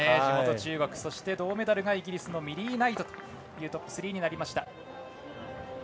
そして、銅メダルがイギリスのミリー・ナイトというトップ３になりました。